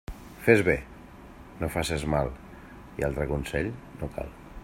Fes bé, no faces mal i altre consell no cal.